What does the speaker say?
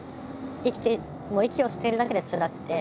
生きてもう息をしているだけでつらくて。